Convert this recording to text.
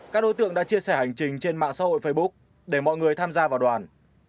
các đối tượng đã chia sẻ hành trình trên mạng xã hội facebook để mọi người tham gia vào đoàn